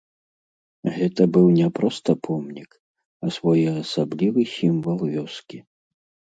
Гэта быў не проста помнік, а своеасаблівы сімвал вёскі.